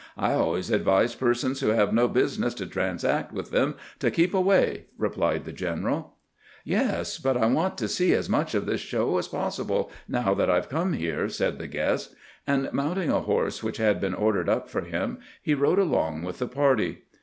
I always advise persons who have no business to transact with them to keep away," replied the general. " Yes ; but I want to see as much of this show as possible, now that I 've come here," said the guest ; and mounting a horse which had been ordered up for him, he rode along with the party.